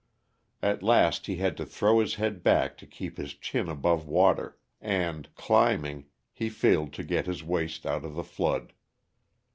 At last he had to throw his head back to keep his chin above water, and, climbing, he failed to get his waist out of the flood.